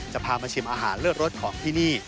จะพามาชิมอาหารเลิศรสของที่นี่